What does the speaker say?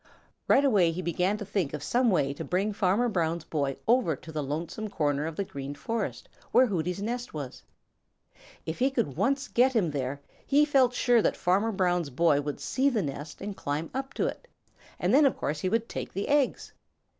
Right away he began to try to think of some way to bring Farmer Brown's boy over to the lonesome corner of the Green Forest where Hooty's nest was. If he could once get him there, he felt sure that Farmer Brown's boy would see the nest and climb up to it, and then of course he would take the eggs.